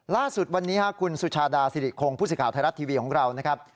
ล่าสุดวันนี้คุณสุชาดาสิริคงผู้สื่อข่าวไทยรัฐทีวีของเรานะครับ